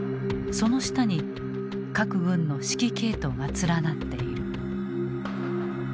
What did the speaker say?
その下に各軍の指揮系統が連なっている。